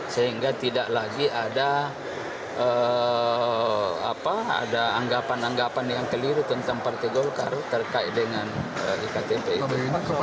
sehingga tidak lagi ada anggapan anggapan yang keliru tentang partai golkar terkait dengan iktp itu